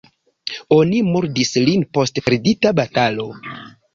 Oni murdis lin post perdita batalo.